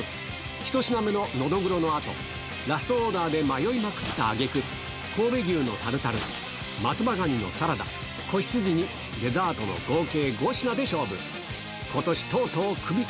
１品目のノドグロのあと、ラストオーダーで迷いまくったあげく、神戸牛のタルタル、松葉蟹のサラダ、仔羊にデザートの合計５品で勝負。